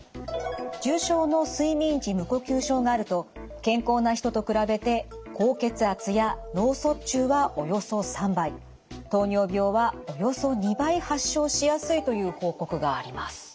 重症の睡眠時無呼吸症があると健康な人と比べて高血圧や脳卒中はおよそ３倍糖尿病はおよそ２倍発症しやすいという報告があります。